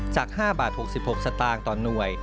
จาก๕๖๖บาทสตางค์ตอนหน่วย